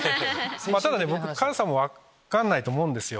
ただねカズさんも分かんないと思うんですよ。